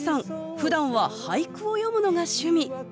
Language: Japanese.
ふだんは俳句を詠むのが趣味。